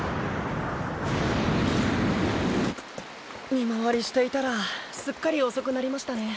見回りしていたらすっかり遅くなりましたね。